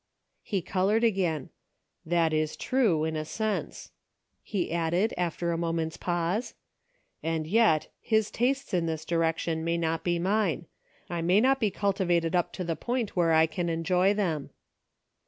He colored again. " That is true, in a sense," CIRCLES WITHIN CIRCLES. 309 he added, after a moment's pause, "and yet, his tastes in this direction may not be mine ; I may not be cultivated up to the point where I can enjoy them."